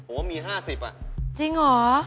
โอ้โหมี๕๐อ่ะจริงเหรอ